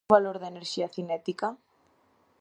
Cal é o valor da enerxía cinética?